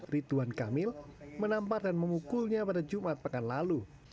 rituan kamil menampar dan memukulnya pada jumat pekan lalu